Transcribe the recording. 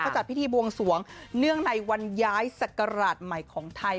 จัดพิธีบวงสวงเนื่องในวันย้ายศักราชใหม่ของไทย